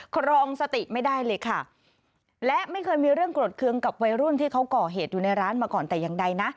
ครองสติไม่ได้เลยค่ะและไม่เคยมีเรื่องกรดเคืองกับวัยรุ่นที่เขาก่อเหตุอยู่ในร้านมาก่อนแต่อย่างใดนะ